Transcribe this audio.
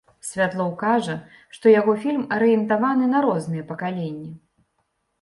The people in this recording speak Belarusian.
Святлоў кажа, што яго фільм арыентаваны на розныя пакаленні.